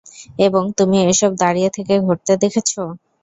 এবং তুমি এসব দাঁড়িয়ে থেকে ঘটতে দেখেছো।